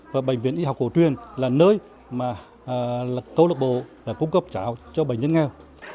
và bệnh viện y học cổ truyền là nơi mà câu lạc bộ đã cung cấp cháo cho bệnh nhân nghèo